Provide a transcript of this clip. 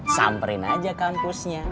samperin aja kampusnya